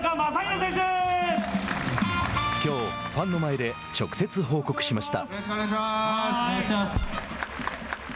きょう、ファンの前で直接報告しました。